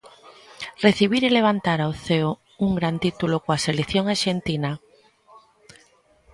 Recibir e levantar ao ceo un gran título coa selección arxentina.